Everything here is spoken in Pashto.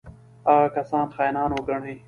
هغه کسان خاینان وګڼي.